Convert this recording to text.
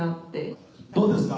どうですか？